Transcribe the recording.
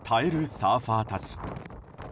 サーファーたち。